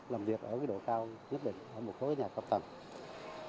làm việc ở độ cao nhất định ở một số nhà cao tầng